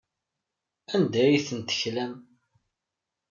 Anda ay tent-teklam?